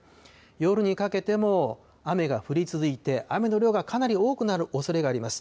夜にかけても雨が降り続いて、雨の量がかなり多くなるおそれがあります。